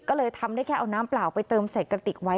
ก็เลยทำได้แค่เอาน้ำเปล่าไปเติมใส่กระติกไว้